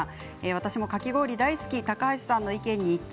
私もかき氷大好き高橋さんの意見に一致